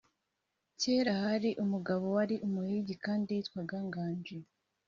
kera, hariho umugabo wari umuhigi kandi yitwaga nganji